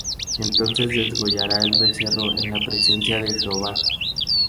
Entonces degollará el becerro en la presencia de Jehová;